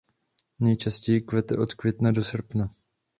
Nejčastěji kvete od května do srpna.